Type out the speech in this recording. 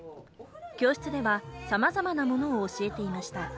教室では様々なものを教えていました。